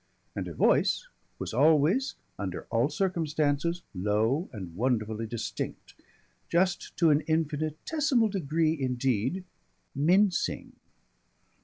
And her voice was always under all circumstances low and wonderfully distinct just to an infinitesimal degree indeed "mincing."